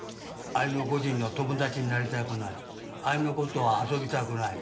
じんの友達になりたくないあいの子とは遊びたくない。